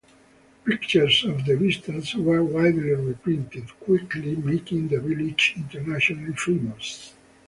Pictures of the vistas were widely reprinted, quickly making the village internationally famous.